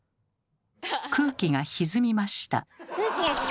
空気がひずみました。